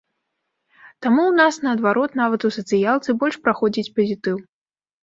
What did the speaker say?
Таму ў нас наадварот нават у сацыялцы больш праходзіць пазітыў.